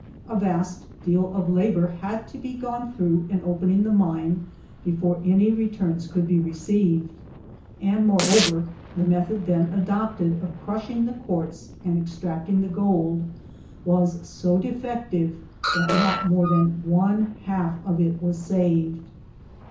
A vast deal of labor had to be gone through in opening the mine before any returns could be received ; and, more over, the method then adopted of crushing the quartz and extracting the gold was so defective that not more than one half of it was saved.